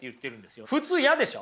普通嫌でしょ？